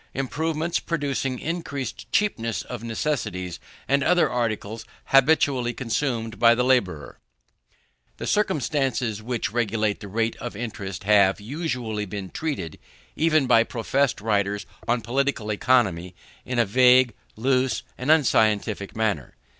Improvements producing increased cheapness of necessaries, and other articles habitually consumed by the labourer. The circumstances which regulate the rate of interest have usually been treated, even by professed writers on political economy, in a vague, loose, and unscientific manner.